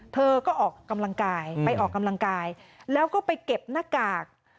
เธอก็ออกกำลังกายไปออกกำลังกายแล้วก็ไปเก็บหน้ากาก